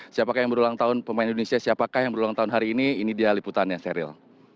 siapakah yang berulang tahun pemain indonesia siapakah yang berulang tahun hari ini ini dia liputannya serial